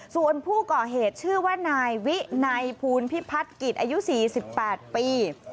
ส่วนผู้ก่อเหตุชื่อว่านายวินัยภูลพิพัฒน์กิจอายุ๔๘ปี